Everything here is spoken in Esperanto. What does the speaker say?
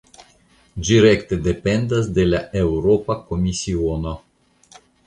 Ĝi rekte dependas de la Eŭropa Komisiono.